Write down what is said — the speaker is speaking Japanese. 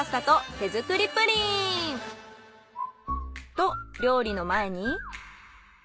と料理の前に。